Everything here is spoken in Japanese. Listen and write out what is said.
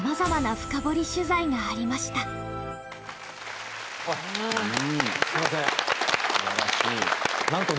すいません。